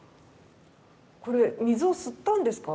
これ水を吸ったんですか？